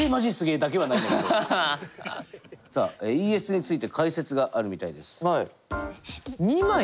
さあＥＳについて解説があるみたいです。